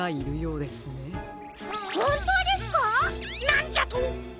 なんじゃと？